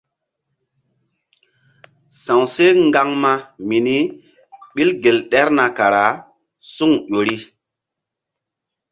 Sa̧w seh ŋgaŋma mini ɓil gel ɗerna kara suŋ ƴo ri.